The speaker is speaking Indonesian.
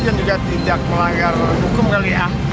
dan juga tidak melanggar hukum kali ya